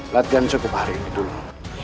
latihan cukup hari ini dulu